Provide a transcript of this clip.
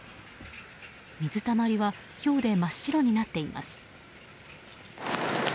水たまりはひょうで真っ白になっています。